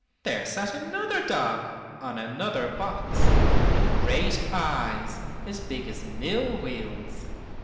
there sat another dog on another box, with great eyes, as big as mill wheels.